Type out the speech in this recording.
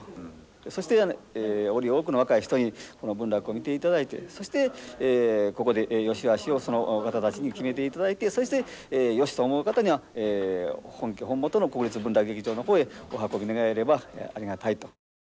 そしてより多くの若い人にこの文楽を見ていただいてそしてここで善しあしをその方たちに決めていただいてそして「よし」と思う方には本家本元の国立文楽劇場の方へお運び願えればありがたいと。